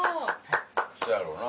そやろな。